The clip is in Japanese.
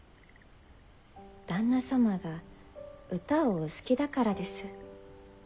旦那様が歌をお好きだからです。